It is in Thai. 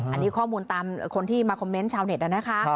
อันนี้ข้อมูลตามคนที่มาคอมเมนต์ชาวเน็ตนะคะ